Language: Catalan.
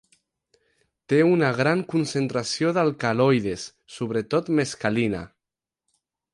Té una gran concentració d'alcaloides, sobretot mescalina.